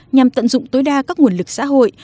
nhằm tận dụng tối đa các nguồn lực xã hội